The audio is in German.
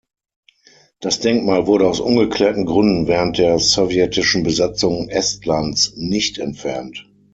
Das Denkmal wurde aus ungeklärten Gründen während der sowjetischen Besetzung Estlands nicht entfernt.